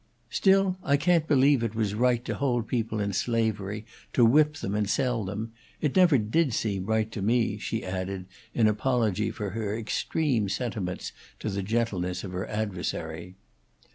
"Still, I can't believe it was right to hold people in slavery, to whip them and sell them. It never did seem right to me," she added, in apology for her extreme sentiments to the gentleness of her adversary.